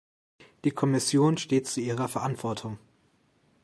Die Kommission steht zu ihrer Verantwortung.